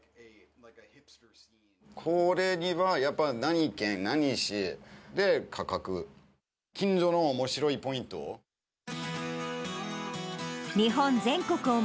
これにはやっぱ、何県、何市、で、価格、近所のおもしろいポイントを。